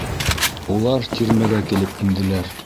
Улар тирмәгә килеп инделәр.